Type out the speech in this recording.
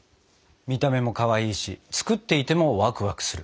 見た目もかわいいし作っていてもワクワクする。